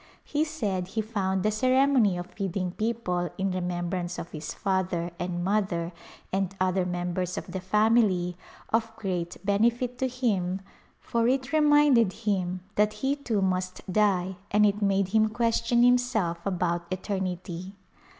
He said he found the ceremony of feeding people in remembrance of his father and mother and other members of the family of great benefit to him for it reminded him that [241 ] A Glimpse of hidia he too must die and it made him question himself about eternity.